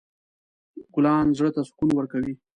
ګلان زړه ته سکون ورکوي.